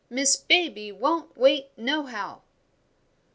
Miss Baby won't wait nohow."